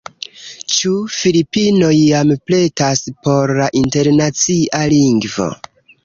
Ĉu Filipinoj jam pretas por la Internacia Lingvo?